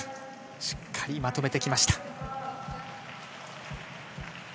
しっかりまとめてきました。